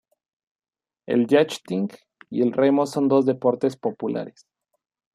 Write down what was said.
El yachting y el remo son dos deportes populares.